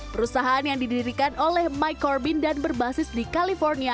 perusahaan yang didirikan oleh mike corbin dan berbasis di california